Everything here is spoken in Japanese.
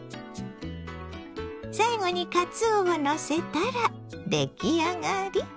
最後にかつおをのせたら出来上がり。